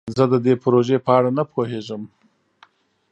زه د دې پروژې په اړه نه پوهیږم.